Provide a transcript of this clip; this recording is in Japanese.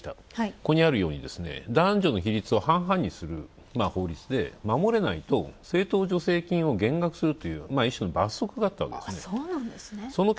ここにあるように男女の比率を半々にする法律で守れないと政党助成金を減額するというという一種の罰職が。